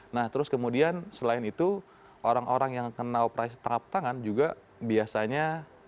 nah terus kemudian selain itu orang orang yang kena operasi tangkap tangan juga biasanya